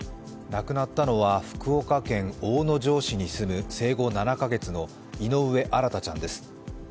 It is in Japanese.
亡くなったのは、福岡県大野城市に住む生後７カ月の井上新大ちゃんです。